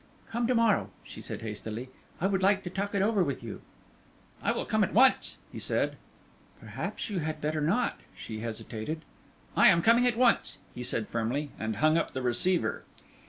"Come to morrow," she said, hastily. "I would like to talk it over with you." "I will come at once," he said. "Perhaps you had better not," she hesitated. "I am coming at once," he said, firmly, and hung up the receiver.